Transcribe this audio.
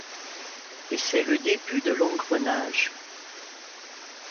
Et c’est le début de l’engrenage.